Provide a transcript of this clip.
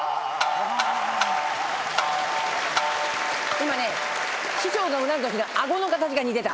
今ね師匠がうなる時の顎の形が似てた。